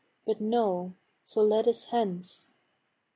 But no! so let us hence.